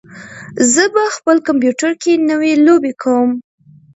زه په خپل کمپیوټر کې نوې لوبې کوم.